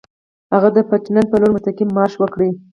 هغه د پټنه پر لور مستقیم مارش وکړي.